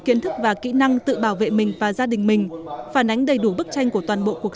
kiến thức và kỹ năng tự bảo vệ mình và gia đình mình phản ánh đầy đủ bức tranh của toàn bộ cuộc